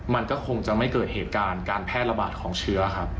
มันก็คงจะไม่เกิดเหตุการณ์การแพร่ระบาดของเชื้อครับ